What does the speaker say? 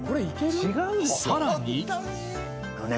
さらに